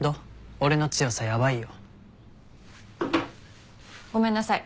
俺の強さやばいよ。ごめんなさい。